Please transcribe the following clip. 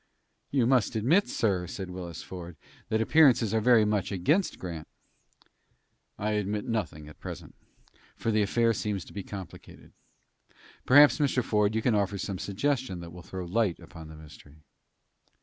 "You must admit, sir," said Willis Ford, "that appearances are very much against Grant." "I admit nothing, at present; for the affair seems to be complicated. Perhaps, Mr. Ford, you can offer some suggestion that will throw light upon the mystery."